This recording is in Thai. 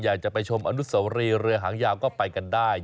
อยากจะไปชมอนุสวรีเรือหางยาวก็ไปกันได้